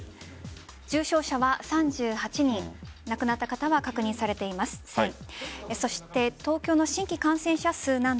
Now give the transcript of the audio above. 重症者は３８人亡くなった方は確認されていません。